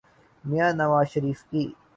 میاں نواز شریف کی۔